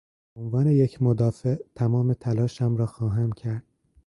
به عنوان یک مدافع، تمام تلاشم را خواهم کرد